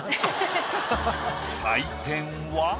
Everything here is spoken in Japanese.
採点は。